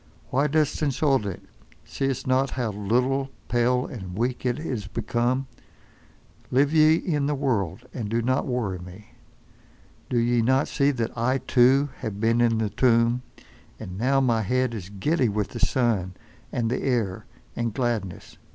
Why dost insult it—see'st not how little, pale and weak it is become? Live ye in the world—and do not worry me. Do ye not see that I, too, have been in the tomb, and now my head is giddy with the sun, and the air, and gladness.